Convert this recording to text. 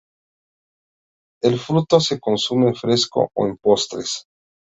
El fruto se consume fresco o en postres.